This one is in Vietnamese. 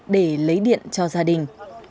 để lấy điện cho gia đình